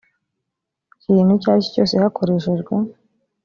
kintu icyo ari cyo cyose hakoreshejwe